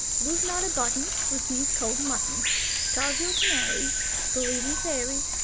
Lose not a button. Refuse cold mutton. Starve your canaries. Believe in fairies.